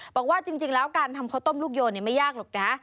บอกว่าจริงแล้วการทำข้าวต้มลูกโยนไม่ยากหรอกนะ